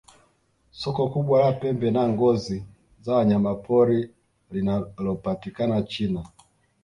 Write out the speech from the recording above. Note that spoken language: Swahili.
soko kubwa la pembe na ngozi za wanyamapori linalopatikana china